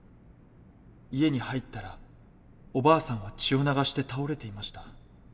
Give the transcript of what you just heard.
家に入ったらおばあさんは血を流して倒れていました。